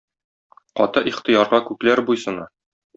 Каты ихтыярга күкләр буйсына.